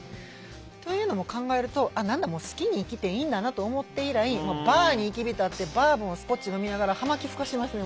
というのも考えると「何だもう好きに生きていいんだな」と思って以来バーに入り浸ってバーボンスコッチ飲みながら葉巻ふかしてますね